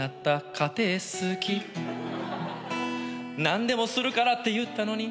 「何でもするからって言ったのに」